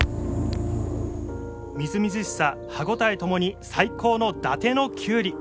みずみずしさ、歯ごたえともに最高の伊達のきゅうり。